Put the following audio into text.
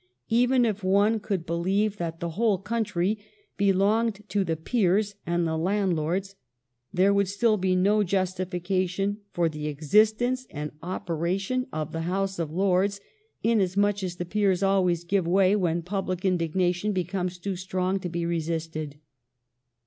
Even if one could believe that the whole country belonged to the peers and the landlords, there would still be no justification for the existence and operation of the House of Lords, inasmuch as the peers always give way when public indignation becomes too strong to be resisted.